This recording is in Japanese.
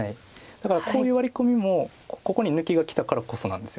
だからこういうワリコミもここに抜きがきたからこそなんですよね。